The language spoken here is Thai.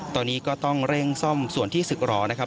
ตอนนี้ก็ต้องเร่งซ่อมส่วนที่ศึกรอนะครับ